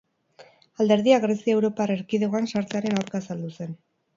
Alderdiak Grezia Europar Erkidegoan sartzearen aurka azaldu zen.